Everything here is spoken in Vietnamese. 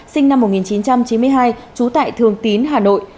sinh năm một nghìn chín trăm chín mươi hai trú tại thường tín hà nội